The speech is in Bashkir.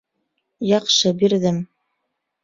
Яҡшы бирҙем